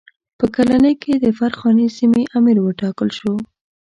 په کلنۍ کې د فرغانې سیمې امیر وټاکل شو.